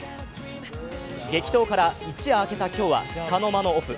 激闘から一夜明けた今日はつかの間のオフ。